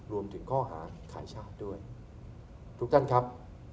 รวมถึงข้อหาขายชาติด้วยทุกท่านครับ